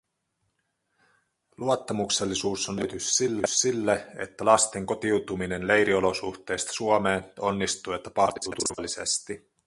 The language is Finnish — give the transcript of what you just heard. Luottamuksellisuus on myös edellytys sille, että lasten kotiutuminen leiriolosuhteista Suomeen onnistuu ja tapahtuu turvallisesti.